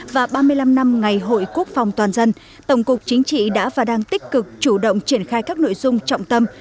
và ba mươi năm năm ngày hội quốc phòng toàn dân tổng cục chính trị đã và đang tích cực chủ động triển khai các nội dung trọng tâm